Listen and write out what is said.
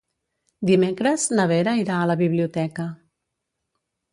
Dimecres na Vera irà a la biblioteca.